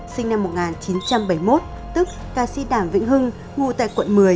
sinh năm một nghìn chín trăm bảy mươi một tức ca sĩ đàm vĩnh hưng ngụ tại quận một mươi